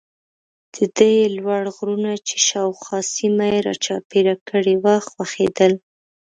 د ده یې لوړ غرونه چې شاوخوا سیمه یې را چاپېره کړې وه خوښېدل.